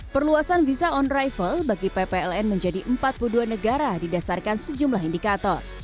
perluasan visa on arrival bagi ppln menjadi empat puluh dua negara didasarkan sejumlah indikator